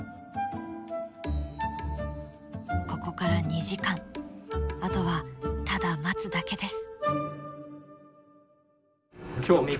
ここから２時間あとはただ待つだけです。